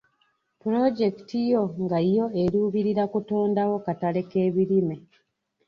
Pulojekiti yo nga yo eruubirira kutondawo katale k'ebirime.